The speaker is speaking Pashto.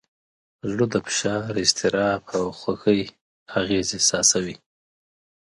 زړه د فشار، اضطراب، او خوښۍ اغېز احساسوي.